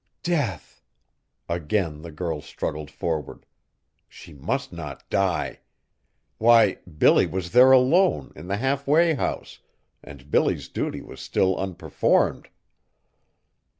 "Death!" Again the girl struggled forward. She must not die! Why, Billy was there alone, in the halfway house and Billy's duty was still unperformed.